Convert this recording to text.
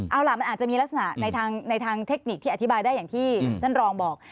เอาล่ะมันอาจจะมีลักษณะในทางเทคนิคที่อธิบายได้อย่างที่ท่านรองบอก